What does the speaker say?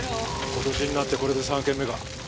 今年になってこれで３軒目か。